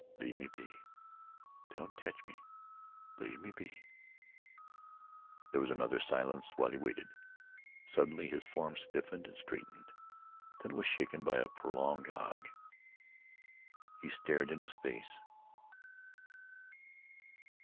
"Leave me be don't tech me leave me be " There was another silence while he waited. Suddenly, his form stiffened and straightened. Then it was shaken by a prolonged ague. He stared into space.